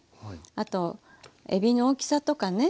あとえびの大きさとかね